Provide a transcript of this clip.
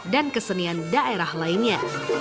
dan kesenian daerah lainnya